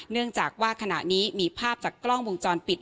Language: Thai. เนื่องจากว่าขณะนี้มีภาพจากกล้องวงจรปิด